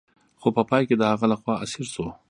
خو په پای کې د هغه لخوا اسیر شو.